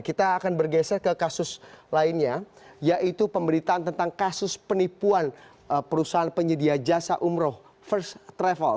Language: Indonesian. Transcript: kita akan bergeser ke kasus lainnya yaitu pemberitaan tentang kasus penipuan perusahaan penyedia jasa umroh first travel